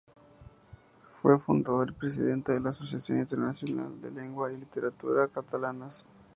Fue fundador y presidente de la Asociación Internacional de Lengua y Literatura Catalanas.